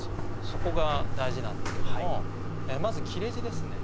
そこが大事なんですけどもまず切字ですね。